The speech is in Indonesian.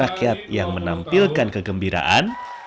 rakyat yang menampilkan kegembiraan